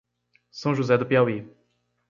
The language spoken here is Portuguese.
São José do Piauí